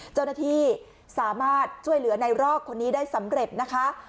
เจ้าหน้าที่สามารถช่วยเหลือในรอกคนนี้ได้สำเร็จนะคะ